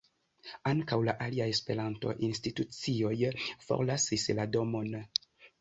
Ankaŭ la aliaj Esperanto-institucioj forlasis la domon.